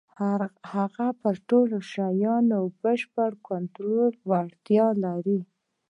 هغه پر ټولو شيانو د بشپړ کنټرول وړتيا لري.